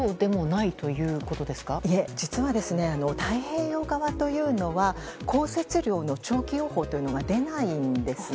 いえ、実は太平洋側というのは降雪量の長期予報というのが出ないんですね。